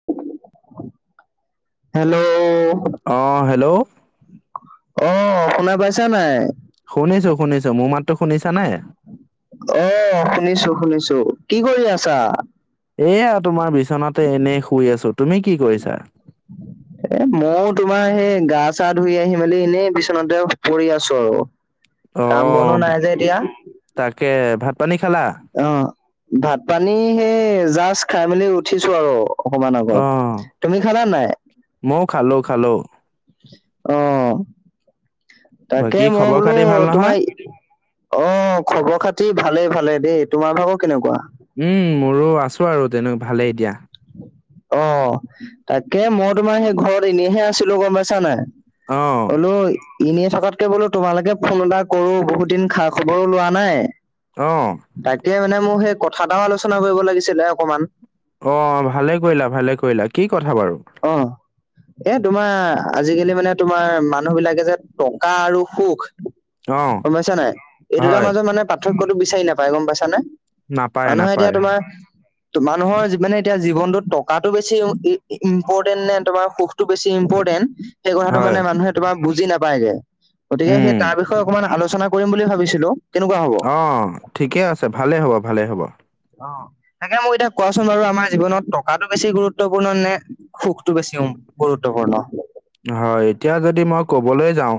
Hello অঁ hello অঁ শুনা পাইছা নাই? শুনিছোঁ শুনিছোঁ। মোৰ মাতটো শুনিছা নে? অঁ শুনিছোঁ শুনিছোঁ। কি কৰি আছা? এয়া তোমাৰ বিচনাতে এনেই শুই আছোঁ। তুমি কি কৰিছা? [unintelligible] এ ময়ো তোমাৰ সেই গা চা ধুই আহি মেলি এনেই বিচনাতে পৰি আছোঁ আৰু। কাম বনো অঁ নাই যে এতিয়া তাকে ভাত পানী খালা? অঁ ভাত পানী সেই জাষ্ট খাই মেলি উঠিছো আৰু। অকমান অ আগত, তুমি খালা নাই? ময়ো খালো খালো অঁ, তাকে বাকী মই খবৰ বোলো খাতি ভাল নহয়? তোমাৰ অঁ খবৰ খাতি ভালেই ভালে দেই, তোমাৰ ভাগৰ কেনেকুৱা? উম মোৰো আছোঁ আৰু তেনেকে ভালেই দিয়া। অঁ তাকে মই তোমাৰ সেই ঘৰত এনেইহে আছিলোঁ, গম পাইছা নাই? অ বোলো এনেই থকাতকে বোলো তোমালৈকে ফোন এটা কৰোঁ বহুত দিন খা খবৰো লোৱা নাই। অঁ। তাকে মানে মো সেই কথা এটাও আলোচনা কৰিব লাগিছিলে অকমান। অঁ ভালে কৰিলা ভালে কৰিলা, কি কথা বাৰু? অঁহ। এ তোমাৰ আজিকালি মানে তোমাৰ মানুহ বিলাকে যে টকা আৰু সুখ অ গম পাইছা নাই? এই দুটাৰ হয় মাজত মানে পাৰ্থক্যটো বিচাৰি নাপায় গম পাইছা নে? নাপায় মানুহে এতিয়া নাপায় তোমাৰ মানুহৰ জী মানে এতিয়া জীৱনটোত টকাটো বেছি ই ই ইম্পৰটেণ্ট নে তোমাৰ সুখটো বেছি ইম্পৰটেণ্ট সেই কথাটো হয় মানে মানুহে তোমাৰ বুজি নাপায়গে। গতিকে সেই উম তাৰ বিষয়ে অকমান আলোচনা কৰিম বুলি ভাবিছিলো। কেনেকুৱা হ'ব? অ, ঠিকে আছে। ভালেই হ'ব, ভালেই হ'ব। অঁ তাকে মোক এতিয়া কোৱাচোন বাৰু আমাৰ জীৱনত টকাটো বেছি গুৰুত্বপুৰ্ণ নে? সুখটো বেছি উম গুৰুত্বপুৰ্ণ। হয় এতিয়া যদি মই ক'বলৈ যাওঁ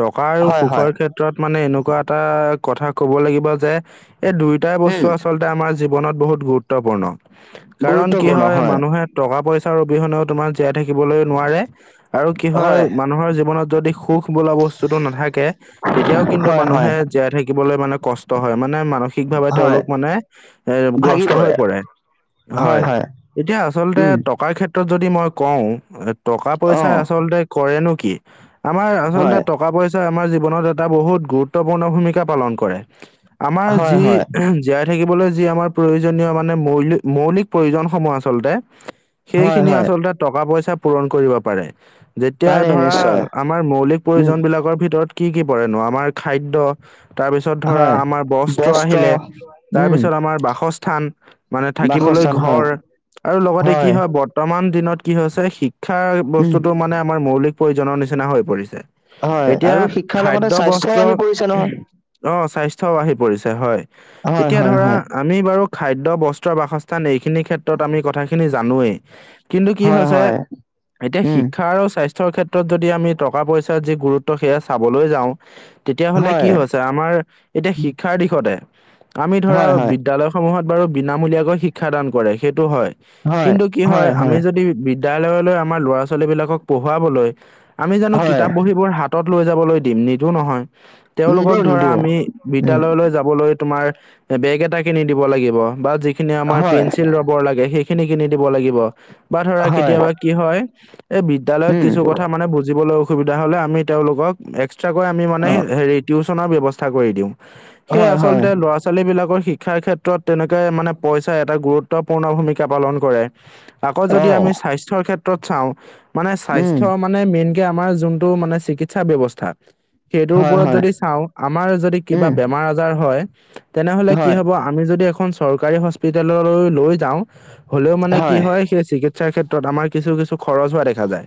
টকা আৰু হয় হয় সুখৰ সে কত্ৰত মানে এনেকুৱা এটা কথা ক'ব লাগিব যে এই দুয়োটাই উম বস্তু আচল তে আমাৰ জীৱনত বহুত গুৰুত্বপূৰ্ণ। কাৰণ কি হয় মানুহে টকা-পইচাৰ অবিহনেও তোমাৰ জীয়াই থাকিবলৈ নোৱাৰে। আৰু কি হয় মানুহৰ জীৱনত যদি সুখ বোলা বস্তুতো নাথাকে তেতিয়াও কিন্তু হয় হয় মানুহে জীয়াই থাকিবলৈ মানে কষ্ট হয়। মানে মানসি সিকভাৱে হয় তেওঁলোক মানে এ গ্ৰস্ত হৈ পৰে। হয়, এতিয়া আচলতে উম টকাৰ ক্ষে ত্ৰত যদি মই কওঁ অ টকা-পইচাই আচলতে কৰেনো কি? আমাৰ আচলতে হয় ট টকা-পইচাই আমাৰ জীৱনত এটা বহুত গুৰুত্বপূৰ্ণ ভূমিকা পালন কৰে। আমাৰ হয় যি হয় জীয়াই থাকিবলৈ যি আমাৰ প্ৰয়োজনীয় মানে মৌলিক মৌলিক প্ৰয়োজনসমূহ আচলতে। হয় সেইখিনি হয় আচলতে টকা-পইচাই পূৰণ কৰিব পাৰে। যেতিয়া পাৰে ধৰা নিশ্চয় আমাৰ মৌলিক উম প্ৰয়োজনবিলাকৰ ভিতৰত কি কি পৰেনো? আমাৰ খাদ্য তাৰপিছত ধৰা হয় আমাৰ বস্ত্ৰ আহিলে। উম তাৰপিছত আমাৰ বাসস্থান মানে থাকিবলৈ বাসস্থান হয় ঘৰ আৰু লগতে কি হয় ব বৰ্তমান দিনত কি হৈছে শিক্ষাৰ উম বস্তুটো মানে আমাৰ মৌলিক প্ৰয়োজনৰ নিচিনা হৈ পৰিছে। হয় এতিয়া আৰু শিক্ষাৰ লগতে খাদ্য, স্বাস্থ্যও বস্ত্ৰ আহি পৰিছে অ স্বাস্থ্যও আহি পৰিছে হয়। নহয় হয় এতিয়া হয় ধৰা হয় আমি বাৰু খাদ্য, বস্ত্ৰ, বাসস্থান এইখিনি ক্ষেত্ৰত আমি কথাখি নি জানোৱেই। কিন্তু কি হয় হৈছে হয় এতিয়া উম শিক আৰু স্বাস্থ্যৰ ক্ষেত্ৰত যদি আমি টকা-পইচাৰ যি গুৰুত্ব সেয়া চাবলৈ যাওঁ। তেতিয়াহ'লে কি হয় হৈছে? আমাৰ এতিয়া শিক্ষাৰ দিশতে আমি ধৰা হয় হয় বিদ্যালয় সমূহত বাৰু বিনামূলীয়াকৈ শিক্ষা দান কৰে, সেইটো হয়। কিন্তু কি হয় আমি যদি বিদ বিদ্যালয়লৈ আমাৰ ল'ৰা-ছোৱালীবিলাকক পঢ়ুৱাবলৈ আমি জানো হয়, কিতাপ-বহীবোৰ হাতত লৈ যাবলৈ দিম? নিদো নহয়। তেওঁলোকক নিদো ধৰা নিদো আমি উম, বিদ্যালয়লৈ যাবলৈ তোমাৰ এ বেগ এটা কিনি দিব লাগিব বা যিখিনি হয়, পেন্সিল, ৰবৰ লাগে সে খিনি কিনি দিব লাগিব বা ধৰা হয়, কেতিয়াবা কি হয় এই বি বিদ্যালয়ত উম, কিছু কথা মানে বুজিবলৈ অসুবিধা হ'লে আমি তেওঁলোকক এক্সট্ৰাকৈ আমি মানে অ', হেৰিত টিউচনৰ ব্যৱস্থা কৰি দিওঁ। সেই হয়, হয়, আচলতে ল'ৰা-চো ছোৱালীবিলাকৰ শিক্ষাৰ ক্ষেত্ৰত তেনেকে মানে পইচাই এটা গুৰুত্বপূৰ্ণ ভূমিকা পালন কৰে। আকৌ যদি অ', আমি স্বাস্থ্যৰ ক্ষেত্ৰত চাও। মানে উম, স্বাস্থ্য মা নে মেইনকে আমাৰ যোনটো মানে চিকিৎসা ব্যৱস্থা সেইটোৰ হয়, ওপৰত হয়, যদি চাওঁ আমাৰ যদি কিবা উম, বেমাৰ-আজাৰ হয় তেনেহ'লে কি হয়, হ'ব আমি যদি এখন চৰকাৰী হস্পিতাললৈ লৈ যাওঁ হ'লেও মানে কি হয় সেই চিকিৎসাৰ ক্ষেত্ৰত আমাৰ কিছু-কিছু খৰচ হোৱা দেখা যায়।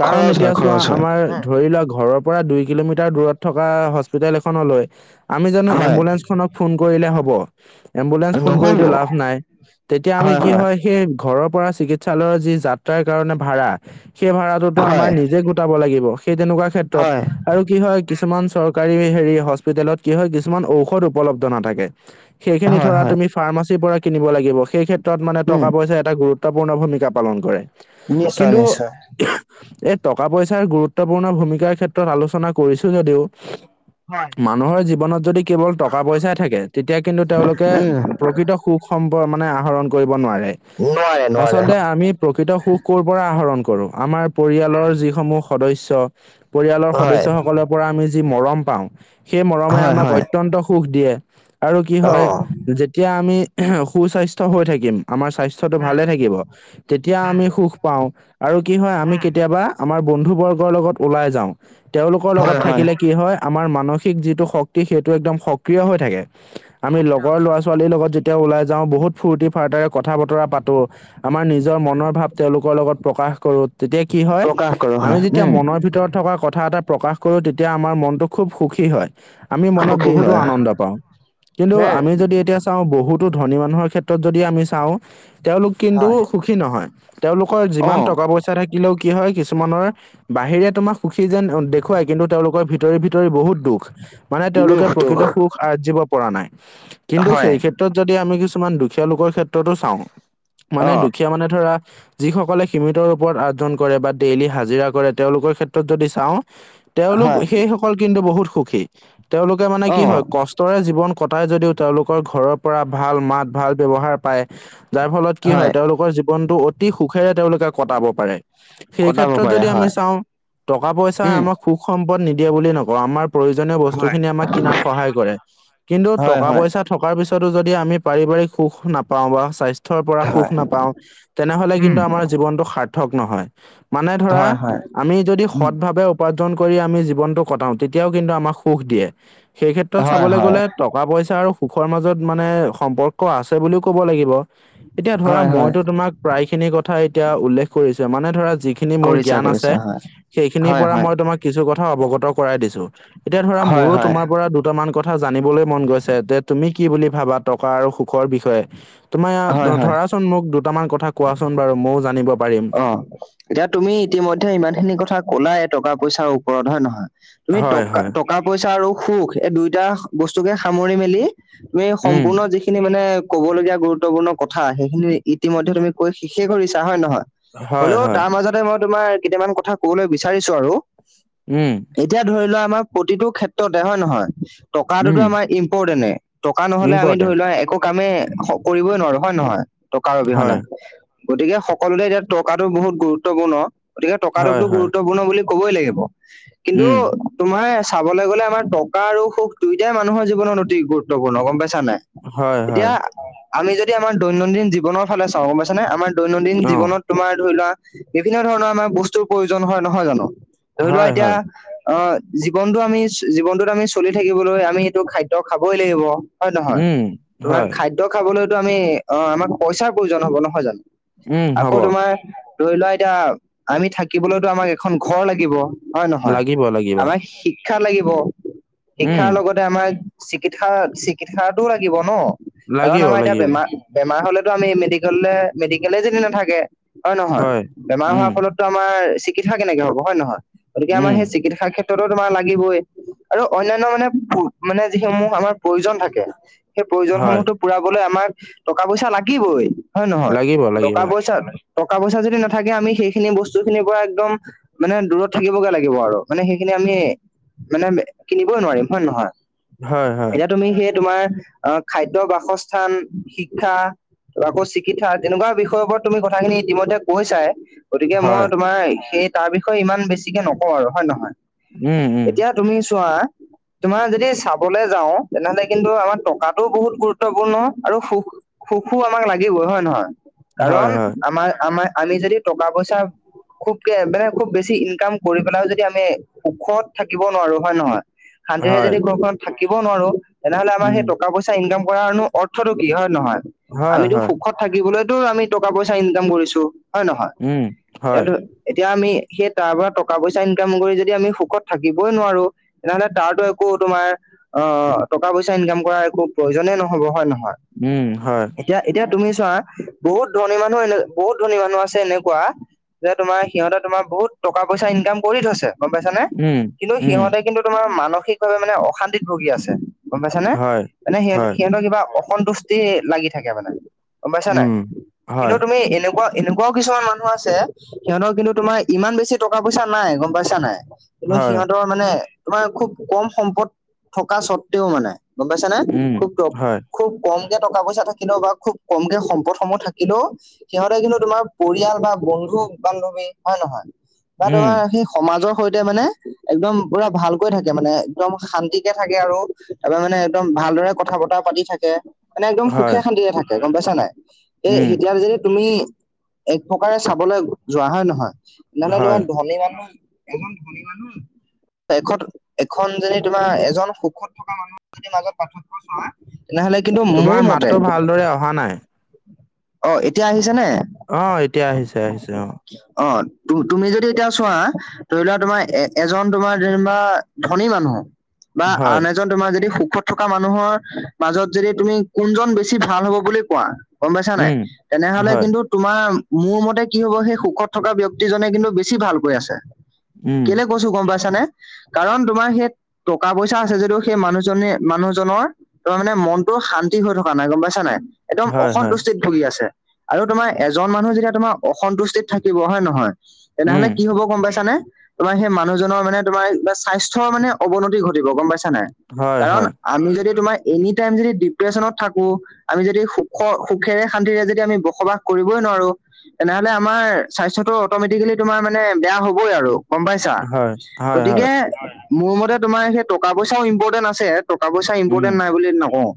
কাৰণ খৰচ হয়, এতিয়া চোৱা খৰচ হয়, আমাৰ ধৰি লোৱা ঘৰৰ পৰা দুই কিলোমিটাৰ দূৰত থকা হস্পিটেল এখনলৈ আমি জানো হয়, এম্বুলেন্ঞ্চখনক ফোন কৰিলে হ'ব? এম্বুলেন্ঞ্চ ফোন নহ'ব, কৰিটো লাভ নাই। তেতিয়া আমি কি হয় সেই ঘৰৰ পৰা চিকিৎ চালৰ যি যাত্ৰাৰ কাৰণে ভাড়া সেই ভাড়াটোতো আমাৰ হয়, নিজে গোটাব লাগিব। সেই তেনেকুৱা ক্ষেত্ৰত হয়, আৰু কি হয় কিছুমান চৰকাৰী হেৰি হস্পিটেলত কি হয় কিছুমান ঔষধ উপলব্ধ নাথাকে। সেইখিনি হয়, ধৰা হয়, তুমি ফাৰ্মাচীৰ পৰা কিনিব লাগিব সেই ক্ষেত্ৰত মানে উম, টকা পইচা এটা গুৰুত্ব গুত্বপূৰ্ণ ভূমিকা পালন কৰে। নিশ্চয় - কিন্তু নিশ্চয়। এই টকা পইচাৰ গুৰুত্বপূৰ্ণ ভূমিকাৰ ক্ষেত্ৰত আলোচনা কৰিছো যদিও হয়। মানুহৰ জীৱনত যদি কেৱল টকা-পইচাই থাকে তেতিয়া কিন্তু তেওঁলোকে উম, প্ৰকৃত সুখ সম্প মানে আহৰণ কৰিব নোৱাৰে। নোৱাৰে, নোৱাৰে, আচলতে আমি প্ৰকৃত সুখ কৰ পৰা আহৰণ কৰো? আমাৰ পৰিয়ালৰ যিসমূহ সদস্য পৰিয়ালৰ হয়, সদস্যসকলৰ পৰা আমি যি মৰম পাওঁ সেই মৰমে হয়, আমাক হৈত হয়, অত্যন্ত সুখ দিয়ে আৰু কি হয় অ', যেতিয়া আমি সুস্বাস্থ্য হৈ থাকিম আমাৰ স্বাস্থ্যটো ভালে থাকিব তেতিয়া আমি সুখ পাও। আৰু কি হয় আমি কেতিয়াবা আমাৰ বন্ধু বৰ্গৰ লগত ওলাই যাও। তেওঁলোকৰ লগত হয়, হয়, থাকিলে কি হয় আমাৰ মানসিক যিটো শক্তি সেইটো একদম সক্ৰিয় হৈ থাকে। আমি লগৰ ল'ৰা ছোৱালীৰ লগত যেতিয়া ওলাই যাও বহুত ফূৰ্তি ফাৰ্তাৰে কথা বতৰা পাতো আমাৰ নিজৰ মনৰ ভাৱ তেওঁলোকৰ লগত প্ৰকাশ কৰো তেতিয়া কি হয় প্ৰকাশ কৰোঁ আমি হয়, যেতিয়া উম, মনৰ ভিতৰত থকা কথা এটা প্ৰকাশ কৰো তেতিয়া আমাৰ মনটো খুব সুখী হয়। আমি মনত সুখী বহুতো হয়, আনন্দ পাওঁ কিন্তু উম, আমি যদি এতিয়া চাও বহুতো ধনী মানুহৰ ক্ষেত্ৰত যদি আমি চাও। তেওঁলোক কিন্তু হয়, সুখী নহয় তেওঁলোকৰ যিমান অ', টকা পইচা থাকিলেও কি হয় কিছুমানৰ বাহিৰে তোমাৰ সুখী যেন দেখুৱাই কিন্তু তেওঁলোকৰ ভিতৰি - ভিতৰি বহুত দুখ মানে তেওঁলোকে দুখ, দুখ প্ৰকৃত সুখ আৰ্জিব পৰা নাই কিন্তু হয় সেই ক্ষেত্ৰত যদি আমি কিছুমান দুখীয়া লোকৰ ক্ষেত্ৰতো চাও। অ মানে দুখীয়া মানে ধৰা যিসকলে সিমিত ৰূপত আৰ্জন কৰে বা ডেইলী হাজিৰা কৰে তেওঁলোকৰ ক্ষেত্ৰত যদি চাও। তেওঁলোক হয় সেইসকল কিন্তু বহুত সুখী তেওঁলোকে মানে অ কি হয় ক ৰে জীৱন কটাই যদিও তেওঁলোকৰ ঘৰৰ পৰা ভাল মাত ভাল ব্যৱহাৰ পায়। যাৰ ফলত কি হয় তেওঁলোকৰ জীৱনতটো অতি সুখেৰে তেওঁলোকে কটাব পাৰে সেই কটাব ক্ষেত্ৰত পাৰে যদি হয় চাও টকা পইচাৰ উম আমাক সুখ সম্পদ নিদিয়ে বুলিয়ে নকও আমাৰ প্ৰয়োজন বস্তু খিনি আমাৰ কিনা সহায় কিন্তু হয় টকা হয় পইচা থ পিছত যদি আমি পাৰিবাৰিক সুখ নাপাও বা স্বাস্থ্যৰ পৰা সুখ হয় নাপাও তেনেহলে কিন্তু আমাৰ জীৱনটো সাৰ্থক নহয়, মানে ধৰা হয় হয় আমি যদি উম হত ভাৱেও উপাৰ্জন কৰি আমি জীৱনটো কটাও তেতিয়াও কিন্তু আমাক সুখ দিয়ে, সেই ক্ষেত্ৰত হয় চাবলৈ হয় গ'লে ট টকা পইচা আৰু সুখৰ মাজত মানে সম্পৰ্ক আছে বুলিও কব লাগিব। এতিয়া ধৰা হয় হয় মইতো তোমাক প্ৰায় খিনি কথা এতিয়া উল্লেখ কৰিছো মানে ধৰা যিখি যিখিনি মোৰ কৰিছা জ্ঞান আছে কৰিছা হয় সেইখিনিৰ হয় পৰা হয় ম‌ই তোমাক কিছু কথা অৱগত কৰাই দিছো এতিয়া ধৰা হয় মোৰো হয় তোমাৰ পৰা দুটামান কথা জানিবলৈ মন গৈছে যে তুমি কি বুলি ভাবা টকা আৰু সুখৰ বিষয়ে? তোমাৰ হয় ইয়াত হয় ধৰাচোন মোক দুটামান কথা কোৱাচোন বাৰু ময়ো জানিব পাৰিম। অ, এতিয়া তুমি ইতিমধ্যে ইমান খিনি কথা কলাই টকা পইচাৰ ওপৰত হয়ে নহয়। তুমি হয় টকা হয় টকা পইচা আৰু সুখ এই দুইটা বস্তুসামৰি মেলি তুমি উম সম্পূৰ্ণ যিখিনি মানে ক'বলগীয়া গুৰুত্বপূৰ্ণ কথা সেইখিনি ইতিমধ্যয়ে তুমি ক শেষ কৰিছা হয় নে নহয়। হয় হলেও হয় তাৰ মাজতে মই তোমাৰ কেইটামান কথা কবলৈ বিচাৰিছো আৰু। উম, এতিয়া ধৰি লোৱা আমাৰ প্ৰতিটো ক্ষেত্ৰতে হয় নহয় টকাটোতো উম আমাৰ ইম্পৰ্টেণ্টে। টকা নহলে আমি ধৰি ইম্পৰ্টেণ্ট লোৱা একো কামেই কৰিবই নোৱাৰো হয় নে নহয় টকাৰ অবিহনে। হয় গতিকে সকলোতে এতিয়া টকাতটো বহুত গুৰুত্বপূৰ্ণ গতিকে হয় টকাটোকো হয় গুৰুত্বপূৰ্ণ বুলি কবই লাগিব কিন্তু উম তোমাৰ চাবলৈ গ'লে আমাৰ টকা আৰু সুখ দুয়োটাই মানুহৰ জীৱনত অতি গুৰুত্বপূৰ্ণ গম পাইছা নাই। হয় এতিয়া হয় আমি যদি আমাৰ দৈনন্দিন জীৱনৰ ফালে চাওঁ, গম পাইছা নে আমাৰ দৈনন্দিন অ জীৱনত তোমাৰ ধৰি লোৱা বিভিন্ন ধৰণৰ আমাৰ বস্তুৰ প্ৰয়োজন হয়, নহয় জানো? ধৰি লোৱা হয় এতিয়া হয় অ জীৱনটো আমি জীৱনটোত আমি চলি থাকিবলৈ আমি সেইটো খাদ্য খাবই লাগিব। হয় নহয়? উম তোমাৰ হয় খাদ্য খাবলৈতো আমি অ আমাক পইচাৰ প্ৰয়োজন হ'ব, নহয় জানো? উম, আকৌ হব। তোমাৰ ধৰি লোৱা এতিয়া আমি থাকিবলৈতো আমাক এখন ঘৰ লাগিব। হয় নহয় লাগিব লাগিব আমাক শিক্ষা লাগিব উম, শিক্ষাৰ লগত আমাৰ চিকিৎসা - চিকিৎসাটো লাগিব ন কাৰণ লাগিব আমাৰ এতিয়া লাগিব। বেমাৰ। বেমাৰ হ'লেতো আমি মেডিকেললে মেডিকেলে যদি নাথাকে, হয় নহয়? বেমাৰ হোৱাৰ উম, ফলত টো আমাৰ চিকিৎসা কেনেকে হ'ব, হয় নহয়? গতিকে আমাৰ উম, সেই চিকিৎসা ক্ষেত্ৰত তেতিয়াটো তোমাৰ লাগিবই আৰু অনান্য মানে মানে যিসমূহ আমাৰ প্ৰয়োজন থাকে, সেই হয়, প্ৰয়োজনসমূহতো পুৰাবলৈ আমাক টকা-পইচা লাগিবই, হয়ে নহয়? লাগিব লাগিব। টকা-পইচা টকা প-ইচা যদি নাথাকে আমি সেইখিনি বস্তুখিনিৰ পৰা একদম মানে দূৰত থাকিবগে লাগিব আৰু মানে সেইখিনি আমি মানে কিনিবই নোৱাৰিম, হয় নে নহয়? হয়, হয়, এতিয়া তুমি সেই তোমাৰ অ খাদ্য, বাসস্থান, শিক্ষা আকৌ চিকিৎসা তেনেকুৱা বিষয়ৰওপৰত তুমি কথাখিনি ইতিমধ্যে কৈছাই। গতিকে মই হয়, তোমাৰ সেই তাৰ বিষয়ে ইমান বেছিকে নকওঁ আৰু হয় নহয়? উম, উম। এতিয়া তুমি চোৱা তোমাৰ যদি চাবলে যাওঁ তেনেহ'লে কিন্তু আমাৰ টকাটো বহুত গুৰুত্বপূৰ্ণ আৰু সুখ সুখো আমাক লাগিবই, হয় নহয়? হয়, কাৰণ হয়, আমাৰ আমাৰ আমি যদি টকা-পইচা খুব কে মানে খুব বেছি ইনকাম কৰি পেলাইও যদি আমি সুখত থাকিব নোৱাৰো, হয় নহয়? শান্তিৰে হয়, যদি ঘৰখনত থাকিব নোৱাৰো তেনেহ'লে আমাৰ উম, সেই টকা-পই চা ইনকাম কৰাৰনো অৰ্থটো কি, হয় নহয়? হয়, আমিতো হয়, সুখত থাকিবলৈটো আমি টকা-পইচা ইনকাম কৰিছো, হয় নহয়? উম, হয়, ইয়াটো এতিয়া আমি, সেই তাৰ পৰা টকা-পইচা ইনকাম কৰি যদি আমি সুখত থাকিবই নোৱাৰো তেনেহ'লে তাৰটো একো তোমাৰ অ টকা-পইচা ইনকাম কৰাৰ একো প্ৰয়োজনে নহ'ব, হয় নহয়? উম, হয়। এতিয়া এতিয়া তুমি চোৱা। বহুত ধনী মানুহ এনে বহুত ধনী মানুহ আছে এনেকুৱা যোনে তোমাৰ সিহঁতে তোমাৰ বহুত টকা-পইচা ইনকাম কৰি থৈছে। গম পাইছা নে? উম, কিন্তু উম, সিহঁতে কিন্তু তোমাৰ মানসিকভাৱে মানে অশান্তিত ভুগি আছে। গম পাইছা? হয়, মানে সিহঁত হয়, সিহঁতৰ কিবা অসন্তুষ্টি লাগি থাকে, মানে গম পাইছা নাই? উম, কিন্তু হয়, তুমি এনেকুৱা এনেকুৱাও কিছুমান মানুহ আছে সিহঁতৰ কিন্তু তোমাৰ ইমান বেছি টকা-পইচা নাই, গম পাইছা নাই? কিন্তু হয়, সিহঁতৰ মানে তোমাৰ খুব কম সম্পদ থকা স্বত্বেও মানে গম পাইছা নে? উম, খুব দ হয়, খুব কমকে টকা-পইচা থাকিলেও বা খুব কমকে সম্পদসমূহ থা কিলেও সিহঁতে কিন্তু তোমাৰ পৰিয়াল বা বন্ধু বান্ধৱী, হয় নহয়? বা উম, তোমাৰ সেই সমাজৰ সৈতে মানে একদম পুৰা ভালকৈ থাকে মানে একদম শান্তিকে থাকে আৰু তাৰপৰা মানে একদম ভালদৰে কথা-বতৰা পাতি থাকে। মানে একদম হয়, সুখে শান্তিৰে থাকে, গম পাইছা নাই? এই উম, এতিয়া যদি তুমি এক প্ৰকাৰে চাবলৈ যোৱা, হয় নহয়? নহ'লে হয়। তোমাৰ ধনী মানুহ ইমান ধনী মানুহ এখত, এখন যদি তোমাৰ এজন সুখত থকা মানুহ যদি মাজত পাৰ্থক্য চোৱা তেনেহ'লে কিন্তু মোৰ মতে তে অহা নাই। অ এতিয়া আহিছেনে? অ এতিয়া আহিছে, আহিছে অ। অ তু তুমি যদি এতিয়া চোৱা ধৰি লোৱা তোমাৰ এ এজন তোমাৰ যেনিবা ধনী মানুহ বা হয়, আন এজন তোমাৰ যদি সুখত থকা মানুহৰ মাজত যদি তুমি কোনজন বেছি ভাল হব বুলি কোৱা? গম পাইছা নাই? উম, তেনেহ'লে হয়, কিন্তু তোমাৰ মোৰ মতে কি হ'ব সেই সুখত থকা ব্যক্তিজনে কিন্তু বেছি ভালকৈ আছে। উম, কেলে কৈছো গম পাইছানে কাৰণ তোমাৰ সেই টকা- পইচা আছে যদিও সেই মানুহজনে - মানুহজনৰ তোমাৰ মানে মনটো শান্তি হৈ থকা নাই গম পাইছা নাই? একদম হয়, হয়, অসন্তুষ্টিত ভুগি আছে আৰু তোমাৰ এজন মানুহ যেতিয়া তোমাৰ অসন্তুষ্টিত থাকিব হয় নে নহয়? তেনেহলে উম, কি হব গম পাইছানে? তোমাৰ সেই মানুহজনৰ মানে তোমাৰ স্বাস্থ্যৰ মানে অৱনতি ঘটিব গম পাইছা নে? হয়, হয়। কাৰণ আমি যদি তোমাৰ এনি টাইম যদি ডিপ্ৰেছনত থাকো, আমি যদি সুখ - সু খেৰে শান্তিৰে যদি আমি বসবাস কৰিবই নোৱাৰো। তেনেহলে আমাৰ স্বাস্থ্যটো অটমেটিকেলি তোমাৰ মানে বেয়া হবই আৰু। গম পাইছা? হয়, হয়, গতিকে হয়। মোৰ মতে তোমাৰ সেই টকা - পইচাও ইম্পৰ্টেন্ট আছে। টকা - পইচা উম, ইম্পৰ্টেণ্ট নাই বুলি নকও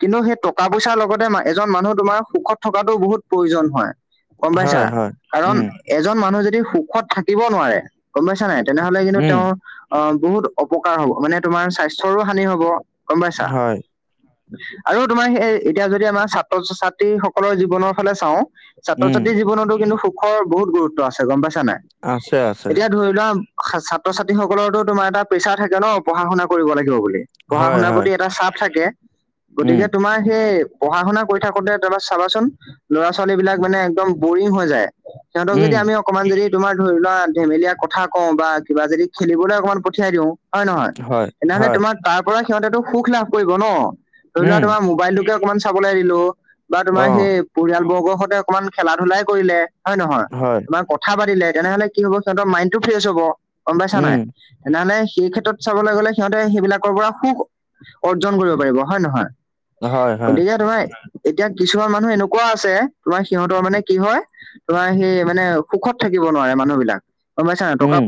কিন্তু সেই টকা - পইচাৰ লগতে এজন মানুহ তোমাৰ সুখত থকাটো বহুত প্ৰয়োজন হয় গম পাইছা? হয়, হয়। কাৰণ উম, এজন মানুহ যদি সুখত থাকিব নোৱাৰে গম পাইছা নাই তেনেহলে কিন্তু উম, তেওঁৰ অ, বহুত অপকাৰ হব মানে তোমাৰ স্বাস্থ্যৰো হানি হব গম পাইছা? হয়, আৰু তোমাৰ সেই এতিয়া যদি আমাৰ ছাত্ৰ- ছাত্ৰীসকলৰ জীৱনৰ ফালে চাও ছাত্ৰ - উম, ছাত্ৰী জীৱনতো কিন্তু সুখৰ বহুত গুৰুত্ব আছে গম পাইছা নাই? আছে, আছে। এতিয়া ধৰি লোৱা ছাত্ৰ - ছাত্ৰীসকলৰো তোমাৰ এটা প্ৰেছাৰ থাকে ন পঢ়া - শুনা কৰিব লাগিব বুলি। পঢ়া - হয়, শুনাৰ হয়। প্ৰতি এটা চাপ থাকে, উম, গতিকে তোমাৰ সেই পঢ়া - শুনা কৰি থাকোতে এবাৰ চাবাচোন, ল'ৰা - ছোৱালীবিলাক মানে একদম বৰিং হৈ যায়, সিহঁতক উম, যদি আমি অকমান যদি তোমাৰ ধৰি লোৱা ধেমেলীয়া কথা কও, বা কিবা যদি খেলিবলৈ অকমান পঠিয়াই দিও। হয় নহয় হয়, তেনেহলে হয়। তোমাক তাৰ পৰা সিহঁতে সুখ লাভ কৰিব ন। ধৰি লোৱা উম, তোমাৰ মোবাইলটোকে অকনমান চাবলৈ দিলো বা তোমাৰ অ', সেই পৰিয়ালবৰ্গৰ সৈতে অকমান খেলা ধূলাই কৰিলে, হয় নহয় হয়। তোমাৰ ক কথা পাতিলে তেনেহলে কি হব সিহঁতৰ মাইণ্ড টো ফ্ৰেছ হব গম পাইছা উম, নাই। তেনেহলে সেই ক্ষেত্ৰত চাবলৈ গলে সিহঁতে সেইবিলাকৰ পৰা সুখ অৰ্জন কৰিব পাৰিব হয় নে নহয়? হয়, হয়। গতিকে তোমাই এতিয়া কিছুমান মানুহ এনেকুৱা আছে, তোমাৰ সিহঁতৰ মানে কি হয় তোমাৰ সেই মানে সুখত থাকিব নোৱাৰে মানুহবিলাক গম পাইছা নাই? টকা উম।